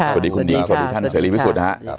สวัสดีคุณดีครับสวัสดิท่านเจรสุดฮะ